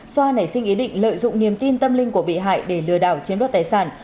xoa nảy sinh ý định lợi dụng niềm tin tâm linh của bị hại để lừa đảo chiếm đoạt tài sản